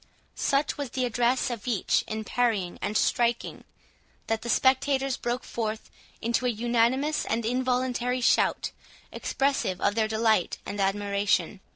Such was the address of each in parrying and striking, that the spectators broke forth into a unanimous and involuntary shout, expressive of their delight and admiration.